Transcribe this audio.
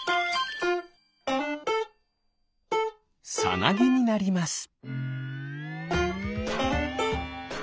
さなぎになります。